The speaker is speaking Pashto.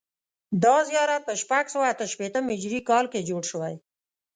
دا زیارت په شپږ سوه اته شپېتم هجري کال کې جوړ شوی.